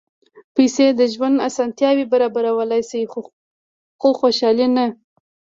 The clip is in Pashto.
پېسې د ژوند اسانتیاوې برابرولی شي، خو خوشالي نه.